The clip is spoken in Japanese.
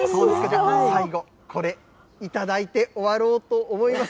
最後、これ頂いて、終わろうと思います。